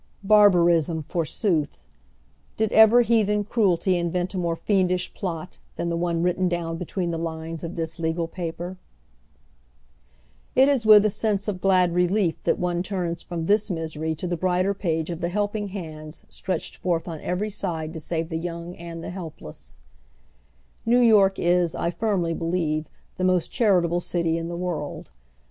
Barbarism for sooth ! Did ever heathen cruelty invent a more fiendish plot than the one written down between the lines of this legal paper? It is with a sense of glad relief that one turns from this misery to the brighter page of the helping hands stretched n of Cruelty to Children, Case 43,028, Maj ,y Google WAIFS OF THE CITT's SLFMS. 193 forth on every side to save the young and the lielplees. New York is, I firmly believe, the most charitable city in the world.